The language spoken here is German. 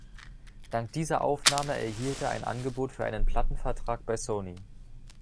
Dank dieser Aufnahme erhielt er ein Angebot für einen Plattenvertrag bei Sony.